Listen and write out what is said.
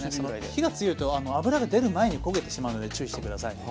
火が強いと脂が出る前に焦げてしまうので注意して下さい。